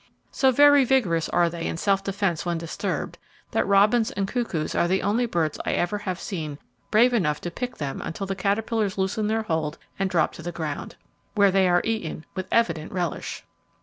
So very vigorous are they in self defence when disturbed, that robins and cuckoos are the only birds I ever have seen brave enough to pick them until the caterpillars loosen their hold and drop to the ground, where they are eaten with evident relish.